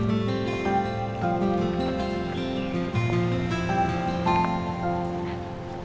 kok di telepon kok gak aktif sih handphonenya